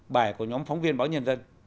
bài của nhóm phóng viên báo nhân dân